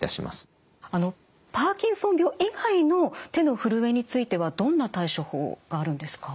あのパーキンソン病以外の手のふるえについてはどんな対処法があるんですか？